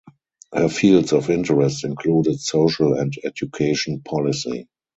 Her fields of interest included social and education policy.